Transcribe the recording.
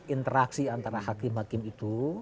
interaksi antara hakim hakim itu